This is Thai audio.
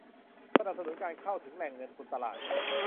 สนับสนุนการเข้าถึงแหล่งเงินทุนตลาด